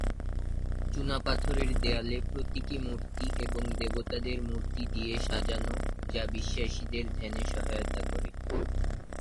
চুনাপাথরের দেয়ালে প্রতীকী মূর্তি এবং দেবতাদের মূর্তি দিয়ে সাজানো যা বিশ্বাসীদের ধ্যানে সহায়তা করে।